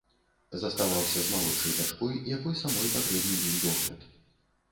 Заставаўся з малодшай дачкой, якой самой патрэбны быў догляд.